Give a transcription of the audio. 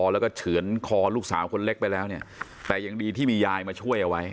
แล้วก็เฉือนคอลูกสาวคนเล็กไปแล้วเนี่ยแต่ยังดีที่มียายมาช่วยเอาไว้